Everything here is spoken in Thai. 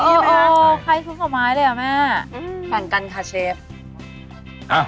เหมือนใครคุ้นข้าวไม้เลยหรอแม่อือเหมือนกันค่ะเชฟอ่ะ